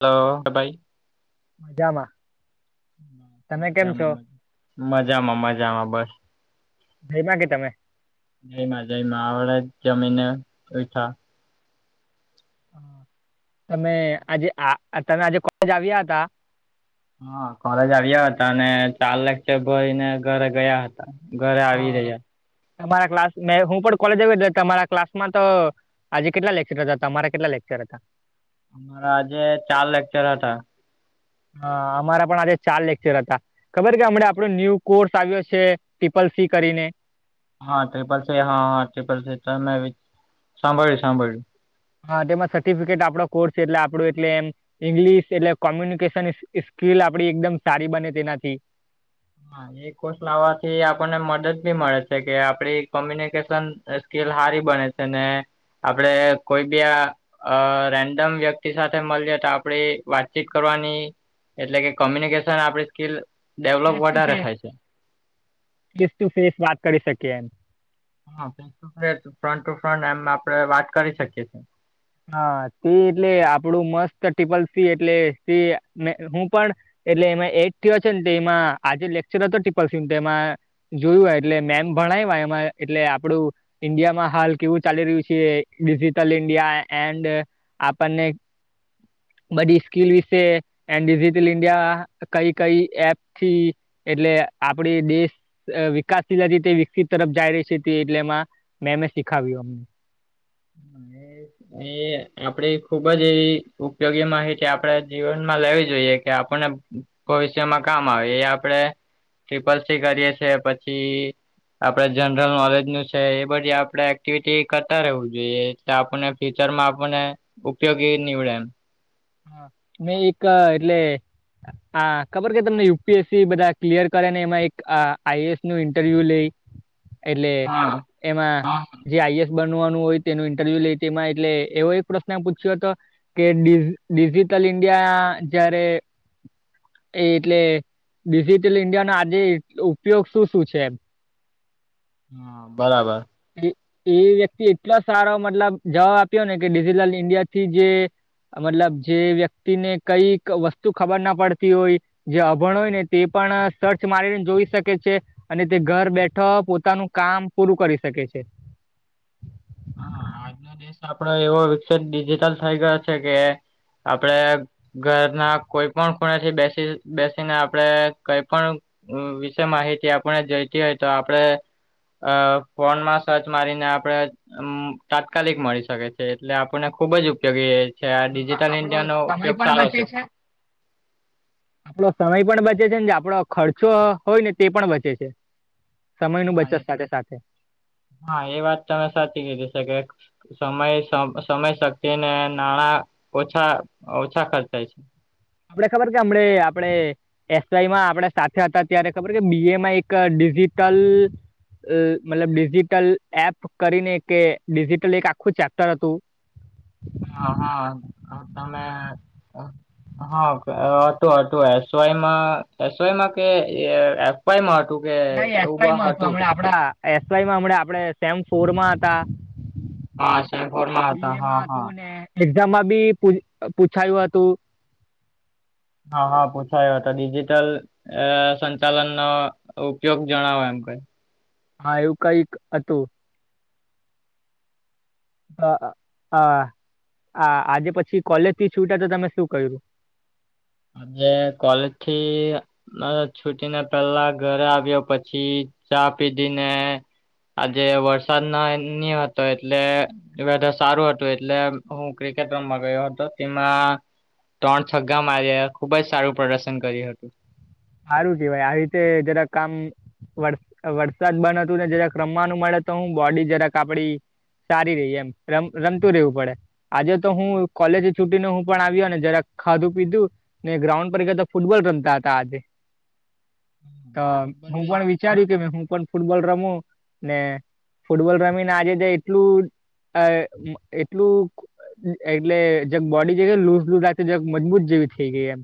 Hello હ ભાઈ, મજામાં બધા, તમે કેમ છો [unintelligible] મજામાં મજામાં બસ, જમ્યા કે તમે, જઈ મા જઈ મા અવળા જમીને ઉઈઠા, [inaudible] તમે આજે અ તમે આજે કોલેજ આવ્યા હતા. હા કોલેજ આવ્યા હતા અને ચાર લેક્ચર ભરિ ને ઘરે ગયા, ઘરે આવી રહ્યાં. તમારા ક્લાસ મેં હું પણ કોલેજ આવ તમારા ક્લાસમાં તો, આજે કેટલા લેક્ચર હતા, તમારે કેટલા લેક્ચર હતા? અમારે આજે ચાર લેક્ચર હતા. હા અમારા પણ આજે ચાર લેક્ચર હતા. ખબર કે હમણા આપણો ન્યૂ કોર્સ આવ્યો છે ટિપલ સી કરીને, હા ટ્રિપલ સી હા હા ટ્રિપલ સીટ મે સાંભળ્યું સાંભળ્યું. હા તેમાં સર્ટિફિકેટ આપડો કોર્સ છે એટલે આપડું એટલે એમ, ઈંગ્લિશ એટલે કોમ્યુનિકેશન સ્કિલ આપડી એકદમ સારી બને તેનાથી, એ કોષ લાવવાથી આપણને મદદ ભી મળે છે કે આપડી કોમ્યુનિકેશન, સ્કીલ હારી બને ને આપડે કોઈ બી આ અ રેન્ડમ વ્યક્તિ સાથે મળીતો આપડી વાતચીત કરવાની, એટલે કે કોમ્યુનિકેશન આપડી સ્કીલ. ડેવલોપ ફેસ ટુ વધારે ફેસ, થાય છે. ફેસ ટુ ફેસ વાત કરી શકી એમ. હા, ફેસબુક ફ્રન્ટ ટુ ફ્રન્ટ એમ આપડે વાત કરી શકીય છીએ. હા, સ એટલે આપડું મસ્ત ટિપલ સી એટલે સ હું પણ. એટલે એમાં એટ થયો છે ને, તો એમાં આજે લેક્ચર હતો, પલસી તો એમાં. જોયું હો, એટલે મેમ ભણાવ એમાં એટલે આપડું. ઈન્ડિયા માં હાલ કેવું ચાલી રહ્યું છે? Digital India. એન્ડ આપણને બધી સ્કીલ વિશે એન્ડ ડિજિટલ ઇન્ડિયા કઈ કઈ એપ થી એટલે આપડી દેશ વિકાસ થી જતે વિકસિત તરફ જઈ રહી છે, એટલે એમાં મેમે શીખાવ્યું અમને. અને એ આપડી ખુબ જ એવી ઉપયોગી માહિતી આપડે જીવન માં લેવી જોઈએ. કે આપણને ભવિષ્યમાં કામ આવે એ આપણે. ટ્રિપલ સી કરીએ છે, પછી આપણેે જનરલ નોલેજ નું છે, એ બધી આપણેે એક્ટિવિટી કરતા રહેવું જોઈએ, એટલે આપણને ટીચર માં આપણને ઉપયોગી નીવડે એમ. મે એક એટલે હા, ખબર કે તમને યુપીએસસી બધા ક્લિયર કરે ને, એમાં એક આઈએસ નું ઇન્ટરવ્યુ લે. એટલે હા એમાં હા જે આઈએસ બનવાનું હોય, તેનું ઇન્ટરવ્યૂ લઈ, તેમાં એવો એક પ્રશ્ન પૂછ્યો હતો કે ડિ ડિજિટલ ઇન્ડિયા જયારે એ એટલે ડિજિટલ ઇન્ડિયાનો આજે ઉપયોગ શું-શું છે એમ? હા, બરાબર. એ વ્યક્તિ એટલો સારો મતલબ જવાબ આપ્યો ને કે, ડિજિટલ ઇન્ડિયા થી જે મતલબ જે વ્યક્તિને કઈક વસ્તુ ખબર ના પડતી હોય. જે અભણ હોય ને, તે પણ સર્ચ મારીને જોઈ શકે છે. અને તે ઘર બેઠો પોતાનું કામ પૂરું કરી શકે છે. હા, આજનો દેશ આપડો એવો વિકસિત ડિજિટલ થઈ ગયો છે કે, આપડે ઘરના કોઈ પણ ખૂણેથી બેસી-બેસીને આપડે કઈ પણ વિશે માહિતી આપણે જોયતી હોય તો, આપણે અ ફોનમાં સર્ચ મારીને આપણેે તાત્કાલિક મળી શકે છે, એટલે આપણને ખુબ જ ઉપયોગી છે. હા ડિજિટલ આપણો ઇન્ડિયાનો સમય ઉપયોગ પણ સારો છે. આપડો સમય પણ બચે છે ને, જે આપડો ખર્ચો હોય ને તે પણ બચે છે. સમય નું હા બચત એ સાથે-સાથે હા, એ વાત તમે કીધી શ કે. સમય સમય શક્તિ ને, નાણાં ઓછા-ઓછા ખર્ચાય છે. આપડે ખબર છે, હમણે આપડે એસઆમાં આપડે સાથે હતા, ત્યારે ખબર કે બી એમાં એક ડિજિટલ મતલબ ડિજિટલ એપ કરીને કે, ડિજિટલ એક આખું ચેપ્ટર હતું. હા, હા તમે હા, હતુ, હતુ, એસવાયમાં એસવાયમાં કે એ એફવાય માં હતું કે, એવું કાંઈક હતું. પણ એસવાયમા આપડે સેમ ફોરમાં હતાં. હા, સેમ ફોરમાં હતા, હા હા. એક્ઝામ માં બી, પુછ પુછાયું હતું. હા, હા, પુછાયું હતું. ડિજીિટલ અ સંચાલન નો ઉપયોગ જણાવો, એમ કરીને. હા એવું કંઈ હતું. [inaudible] અ હ, આજે પછી કોલેજ થી છુયટા તો તમે શું કયરુ? આજે કોલેજ થી અ છુટીને પેલા ઘરે આવ્યો, પછી ચા પીધી, ને આજે વરસાદ ન નની હતો, એટલે વેધર સારું હતું, એટલે હું ક્રિકેટ રમવા ગયો હતો, તેમાં ત્રણ છગ્ગા માર્યા, ખૂબ જ સારું પ્રદર્શન કર્યું હતું. હારું કેવાય, આવી રીતે જરાક આમ વર વરસાદ બન હતું, ને જરાક રમવાનું મળે, તો હું બોડી જરાક આપડી સારી રેય એમ. રમ રમતું રહેવું પડે. આજે તો હું, કોલેજે છુટી ને હું પણ આવ્યો, ને જરા ખાધું પીધું ને ગ્રાઉન્ડ પર ગ્યા, તો ફૂટબોલ રમતા હતા આજે. તો ફૂટબોલ હું બી- પણ વિચાર્યું, કે ભ હું પણ ફૂટબોલ રમું, ને ફૂટબોલ રમીને આજે તો એટલું, અ એટલું એટલે જેક બોડી જે લુઝ લુઝ લાગતી, જાક મજબૂત જેવી થેઇ ગઈ એમ.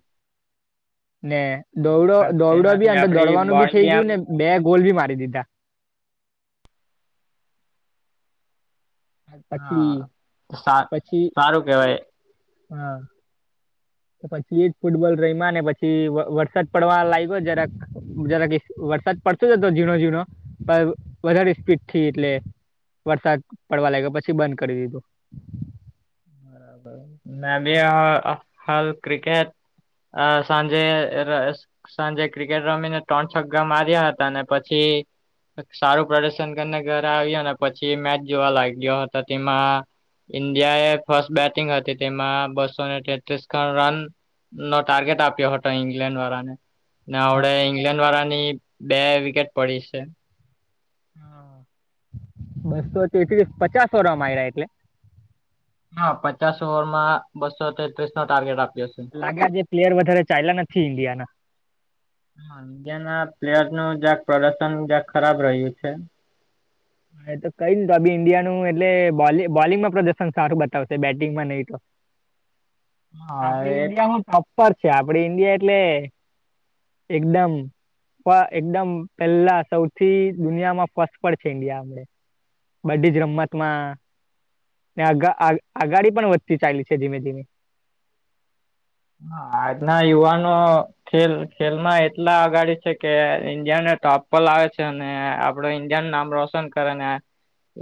ને, દોડો ફૂટ- દોડો બી તેનાથી અંદર આપડી દોડવાનું ભી બોડી થઇ બી આમ ગયું, ને બે ગોલ બી મારી દીધા. પછી હા, સા પછી સારું કેવાય. હા. પછી એ જ, ફૂટબોલ રઈમા, ને પછી વ વરસાદ પડવા લાગ્યો જરાક જરાક એક વરસાદ પડતો જ હતો ઝીણો ઝીણો, પણ વધારે સ્પીડ થી એટલે વરસાદ પડવા લાગ્યો. પછી બંધ કરી દીધું. બરાબર. મેં બી અ હાલ ક્રિકેટ અ સાંજે અ સાંજે ક્રિકેટ રમીને ત્રણ છગ્ગા માર્યા હતા, અને પછી સારું પ્રદર્શન કરીને ઘરે આવ્યો, ને પછી મેચ જોવા લાગ્યો હતો. તેમાં ઈન્ડિયા એ ફસ્ટ બેટિંગ હતી, તેમાં બસોને તેત્રીસ ખણ રન નો ટાર્ગેટ આપ્યો હતો ઈંગ્લેન્ડ વાળા ને. ને હા અવડે ઈંગ્લેન્ડ વાળાની બે વિકેટ પડી છે. બસો તેત્રીસ, પચાસ ઓવરમાં માયરા એટલે. હા, પચાસ ઓવર માં બસો તેત્રીસ નો ટાર્ગેટ આપ્યો. છે લાગ્યા જે પ્લેયર વધારે ચાયલા નથી ઇન્ડિયાના. હા, ઇન્ડિયાના પ્લેયરનું જાક પ્રદર્શન, જાક ખરાબ રહ્યું છે. હ, એ તો કંઈ નહીં, તો બી ઈન્ડિયાનું એટલે બોલ બોલિંગમાં પ્રદર્શન સારું બતાવશે, બેટિંગમાં નહીં તો. હ. આપડી ઈન્ડિયામાં ટોપ પર છે. આપડી ઈન્ડિયા એટલે એકદમ, પ એકદમ પેલા, સૌથી દુનિયામાં ફસ્ટ પર છે. ઈન્ડિયા આપડે. બધી જ રમતમાં ને આગા આગાડી પણ વધતી ચાયલી છે, ધીમે ધીમે. હા, આજના યુવાનો ખેલ, ખેલમાં એટલા અગાડી છે કે ઈન્ડિયા ને ટોપ પર લાવે છે અને આપડુ ઈન્ડિયાનું નામ રોશન કરે ને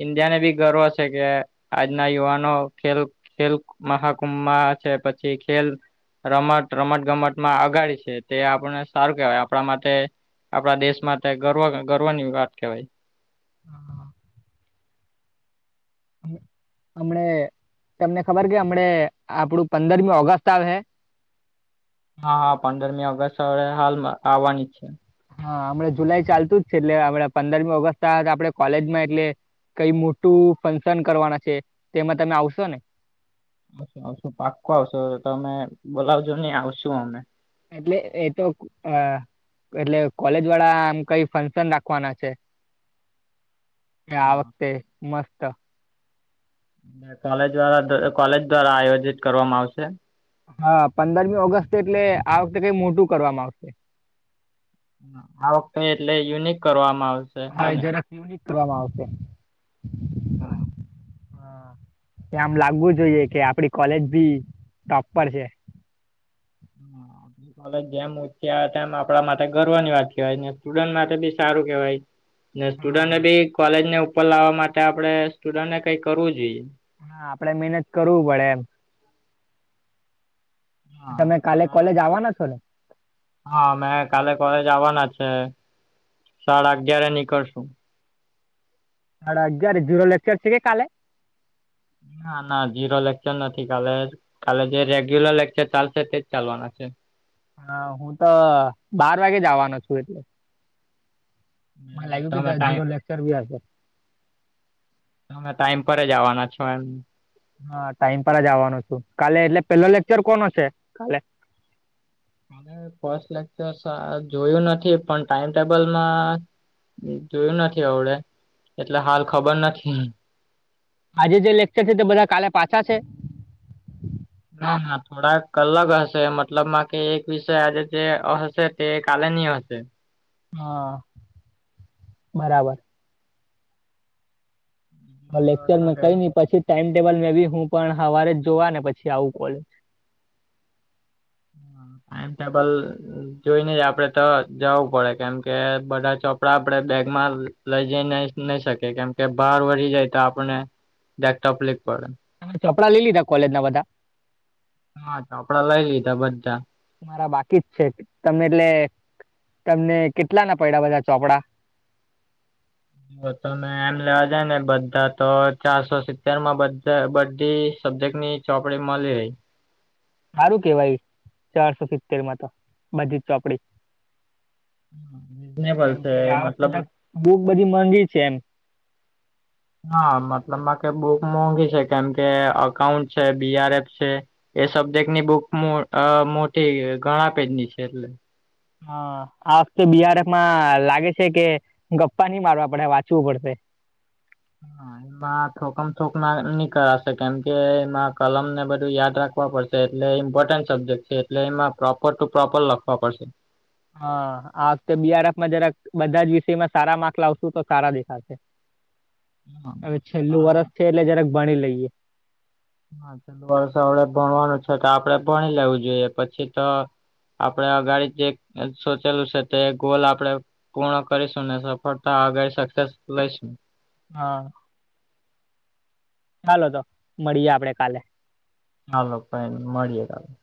ઇન્ડિયા ને બી ગર્વ છે કે આજના યુવાનો ખેલ ખેલ મહાકુંભમાં છે પછી ખેલ રમત રમત ગમતમાં અગાડી છે આપણને સારું કેહેવાય માટે આપડા દેશ માં તે ગર્વ ગર્વ ની વાત કેવાય. હા. હમણા તમને ખબર કે હમણા આપડું પંદરમી ઓગસ્ટ આવે હ. હા હા પંદરમી ઓગસ્ટ હવે હાલમાં આવવાની જ છે. હ હમણાં જુલાઈ ચાલતું જ છે એટલે આપડા પંદરમી ઓગસ્ટ આપડે કોલેજમાં એટલે કઈ મોટું ફંક્શન કરવાના છે તેમાં તમે આવશો ને? આવશુ આવશું પાકો આવશો તમે બોલાવજો ને આવશું અમે. એટલે એ તો આ એટલે કોલેજ વાળા આમ કઈ ફંક્શન રાખવાના છે. [inaudible] આ હા. વખતે મસ્ત કોલેજ દ્વા કોલેજ દ્વારા આયોજિત કરવામાં આવશે. હા પંદરમી ઓગસ્ટ એટલે આ વખતે કઈ મોટું કરવામાં આવશે. આ વખતે એટલે યુનિક કરવામાં આવશે. હા એ જરાક યુનિક કરવામાં આવશે. હા હ એ આમ લાગવું જોઈએ કે આપડી કોલેજ ભી ટોપ પર છે. હમ લે [unintelligible] ઉ્યા તેમ આપણા માટે ગર્વની વાત કવાય સ્ટુડન્ટ માટે બી સારું કેવાય. ને સ્ટુડન્ટને હા. બી કોલેજ ને ઉપર લાવવા માટે આપડે સ્ટુડન્ટને કઈ કરવું જોઈએ. હા આપડે મહેનત કરવું પડે એમ. હા તમે કાલે આપણા કોલેજ આવવાના છો ને. હા મેં કાલે કોલેજ આવવાના છે સાડા અગય્યારે નીકળશું. સાડા અગિયારે ઝીરો લેક્ચર છે કે કાલે? ના ના ઝીરો લેક્ચર નથી કાલે કાલે જે રેગ્યુલર લેક્ચર ચાલશે તેજ ચાલવાના છે. હા, હું તો બાર વાગે જ આવવાનો છું એટલે. મને બરાબર લાગ્યું કે તમે તારો ઝીરો ટાઈમ લેક્ચર બી હશે? અમે ટાઈમ પર જવાના છો એમ. હા ટાઈમ પર જ આવવાનો છું. કાલે એટલે પેલો લેક્ચર કોનો છે કાલે. ફસ્ટ લેચર સા જોયું નથી પણ ટાઈમટેબલમાં જોયું નથી અવડે એટલે હાલ ખબર નથી આજે જે લેક્ચર છે તે બધા કાલે પાછા છે? ના [unintelligible] હા થોડાક અલગ હશે મતલબ માં કે એક વિષય આજે જે હશે તે કાલે ની હશે. હા બરાબર હ અ લેકચર શું કે કઈ ન પછી ટાઈમ ટેબલ મે હું પણ સવારે જોવા ને પછી આવું પડે. હ ટાઈમટેબલ જોઈને જ આપડે તો જવું પડે કેમ કે બધા ચોપડા આપડે બેગમાં લઈ જઈ ન નહી શકે કેમ કે બહાર વધી જાય તો આપને જરાક તફલીક પડે. [unintelligible] ચોપડા લઈ લીધા કોલેજ ના બધા? હા ચોપડા લય લીધા બધાં. મારા બાકી જ છે, તમને એટલે તમને કેટલા ના પયડા બધા ચોપડા. જો તમે એમ લેવા જાય ને, બધા તો ચારસો સિત્તેર માં બઘે બધી સબ્જેક્ટની ચોપડી મલી રેય. સારું કેવાય, ચારસો સિત્તેર માં તો બધી જ ચોપડી. રીઝનેબલ છે, મતલબ. બૂક બધી મોંઘી છે, એમ. હા, મતલબમાં કે બુક મોંઘી છે, કેમ કે અકાઉન્ટ છે, બીઆરએફ છે. એ સબ્જેક્ટની બુક મોં અ મોટી ઘણા પેજની છે, એટલે હા, આ વખતે બીઆરએફ મા લાગે છે કે, ગપ્પા ની મારવા પડશે વાંચવું પડશે. હા. એમાં થોકમ છોક ના નીકળાશે, કેમકે એમાં કલમ ને બધું યાદ રાખવા પડશે. એટલે ઇમ્પોર્ટન્ટ સબ્જેક્ટ છે, એટલે એમાં પ્રોપર ટુ પ્રોપર લખવા પડશે. હા, આ વખતે બીઆરેફમાં જરાક બધા જ વિષયમાં સારા માર્ક લાવશું તો, સારા દેખાશે. [inaudible] હવે છેલ્લું સારા વર્ષ છે, એટલે જરાક ભણી લઈએ. હા, વર્ષ આપડે ભણવાનું છે તો, આપડે ભણી લેવું જોઈએ પછી તો આપડે અગાડી સોચેલું છે, ગોલ આપડે. પૂર્ણ કરીશું ને, સફળતા આગળ સક્સેસ લઈશું. હા. ચાલો તો મળીએ, આપડે કાલે. હાલો ભાઈ, મળ્યા આપડે.